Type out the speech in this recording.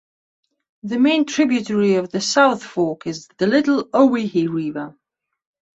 The main tributary of the South Fork is the Little Owyhee River.